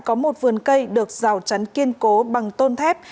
có một vườn cây được rào chắn kiên cố bằng tôn thép